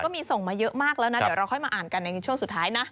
มีส่งมาเยอะมากแล้วนะเดี๋ยวเราค่อยมาอ่านกันในช่วงสุดท้ายนะ